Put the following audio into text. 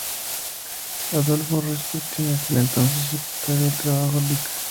Adolfo Ruiz Cortines, el entonces secretario del trabajo Lic.